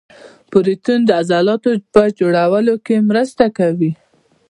پروټین د عضلاتو په جوړولو کې مرسته کوي